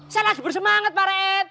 salah bersemangat pak red